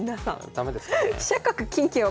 駄目ですかね。